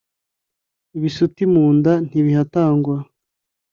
ibisuti munda ntibihatangwa